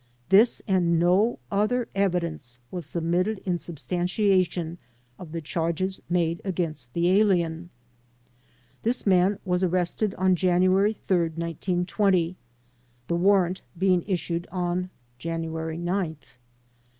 This and no other evidence was submitted in substantiation of the charges made against the alien. This man was arrested on January 3, 1920, the warrant being issued on January 9th.